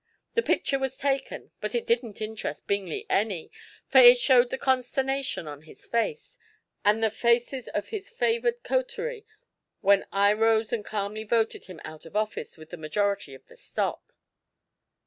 The picture was taken, but it didn't interest Bingley any, for it showed the consternation on his face, and the faces of his favored coterie, when I rose and calmly voted him out of office with the majority of the stock."